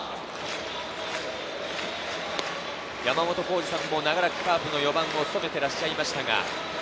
山本浩二さんも長らくカープの４番を務めていらっしゃいました。